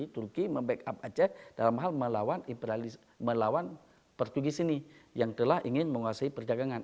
turki membackup aceh dalam hal melawan portugis ini yang telah ingin menguasai perdagangan